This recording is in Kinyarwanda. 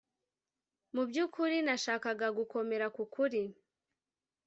mubyukuri nashakaga gukomera ku kuri